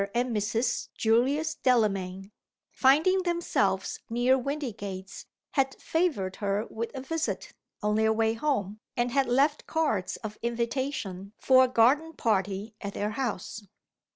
and Mrs. Julius Delamayn, finding themselves near Windygates, had favored her with a visit, on their way home, and had left cards of invitation for a garden party at their house.